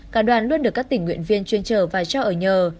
cả đoàn luôn được các tỉnh nguyện viên chuyên trở và trao ở nhờ